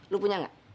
lu punya gak